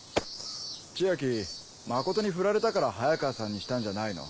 千昭真琴にフラれたから早川さんにしたんじゃないの？